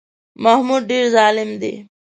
محمود ډېر ظالم دی.